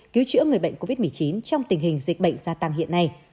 cứu chữa người bệnh covid một mươi chín trong tình hình dịch bệnh gia tăng hiện nay